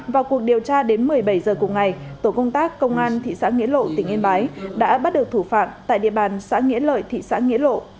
vào cuộc điều tra đến một mươi bảy h cùng ngày tổ công tác công an thị xã nghĩa lộ tỉnh yên bái đã bắt được thủ phạm tại địa bàn xã nghĩa lợi thị xã nghĩa lộ